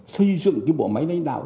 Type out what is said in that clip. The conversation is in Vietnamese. xây dựng cái bộ máy lãnh đạo